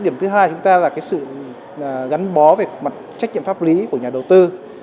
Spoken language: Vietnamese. điểm thứ hai là sự gắn bó về mặt trách nhiệm pháp lý của nhà đầu tư